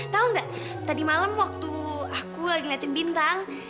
tahu nggak tadi malam waktu aku lagi ngeliatin bintang